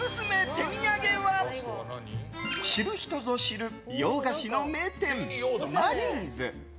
手土産は知る人ぞ知る洋菓子の名店マリーズ。